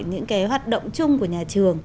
những cái hoạt động chung của nhà trường